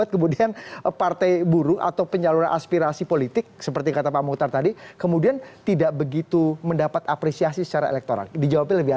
kemudian perlu kita cari masalahnya